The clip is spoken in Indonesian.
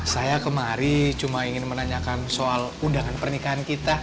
saya kemari cuma ingin menanyakan soal undangan pernikahan kita